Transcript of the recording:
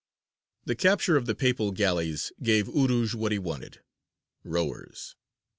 _)] The capture of the Papal galleys gave Urūj what he wanted rowers.